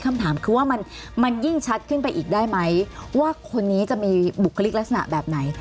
คำถามคือว่ามันยิ่งชัดขึ้นไปอีกได้ไหมว่าคนนี้จะมีบุคลิกลักษณะแบบไหน